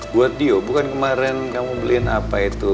buat dio bukan kemarin kamu beliin apa itu